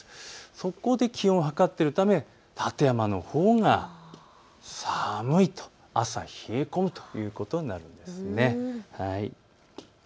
そこで気温を測っているため館山のほうが寒いと、朝は冷え込むということになります。